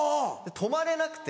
止まれなくて。